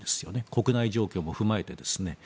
国内状況も踏まえてですね。